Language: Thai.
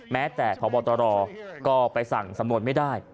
แม้แต่พบตรก็ไปสั่งสำนวนไม่ได้